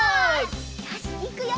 よしいくよ！